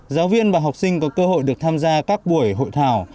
giáo viên và học sinh có cơ hội được tham gia các buổi hội thảo